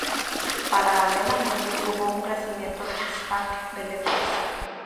Paralelamente hubo un crecimiento del stock de letras.